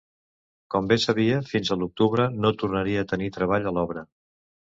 Com bé sabia, fins a l'octubre no tornaria a tenir treball a l'obra.